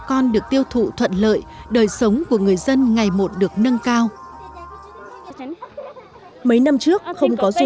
con được tiêu thụ thuận lợi đời sống của người dân ngày một được nâng cao mấy năm trước không có duy